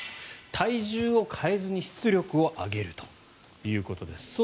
体重を変えずに出力を上げるということです。